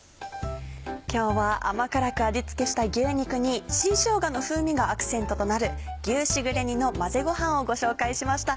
今日は甘辛く味付けした牛肉に新しょうがの風味がアクセントとなる「牛しぐれ煮の混ぜごはん」をご紹介しました。